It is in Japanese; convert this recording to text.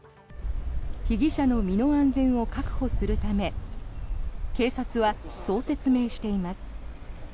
被疑者の身の安全を確保するため警察はそう説明しています。